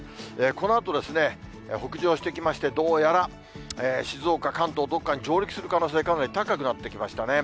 このあと北上してきまして、どうやら静岡、関東、どっかに上陸する可能性、かなり高くなってきましたね。